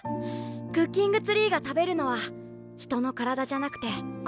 クッキングツリーが食べるのは人の体じゃなくて心みたい。